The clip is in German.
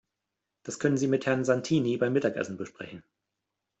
Das können Sie mit Herrn Santini beim Mittagessen besprechen.